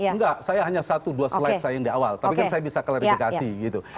enggak saya hanya satu dua slide saya yang di awal tapi kan saya bisa klarifikasi gitu